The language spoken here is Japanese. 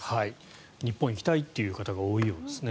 日本に行きたいという方が多いようですね。